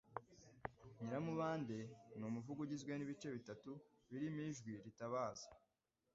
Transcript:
Nyiramubande' ni umuvugo ugizwe n'ibice bitatu birimo icy'ijwi ritabaza,